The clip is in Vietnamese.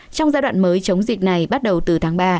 trong giai đoạn mới chống dịch này bắt đầu từ tháng ba